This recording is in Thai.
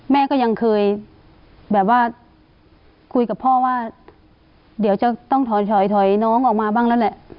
แม่ก็ยังเคยแบบว่าคุยกับพ่อว่าเดี๋ยวจะต้องถอยถอยน้องออกมาบ้างแล้วแหละ